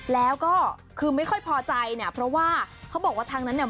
แล้วก็คือไม่ค่อยพอใจเนี่ยเพราะว่าเขาบอกว่าทางนั้นเนี่ย